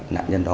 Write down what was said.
ngay sau đó